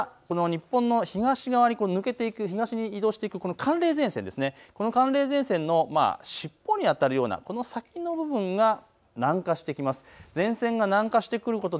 一方この北、日本の東に移動していくこの寒冷前線、この寒冷前線の尻尾にあたるようなこの先の部分が南下してきます。